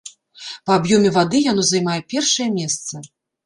Па аб'ёме вады яно займае першае месца.